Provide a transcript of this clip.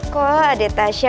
kok adek tasha